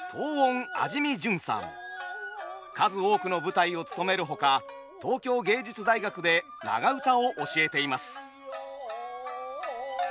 数多くの舞台をつとめるほか東京藝術大学で長唄を教えています。